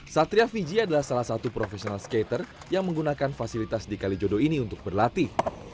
satria fiji adalah salah satu professional skater yang menggunakan fasilitas di kalijodo ini untuk berlatih